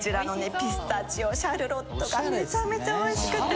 ピスタチオシャルロットがめちゃめちゃおいしくて。